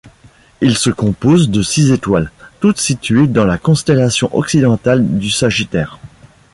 Il se compose de six étoiles, toutes situées dans la constellation occidentale du Sagittaire.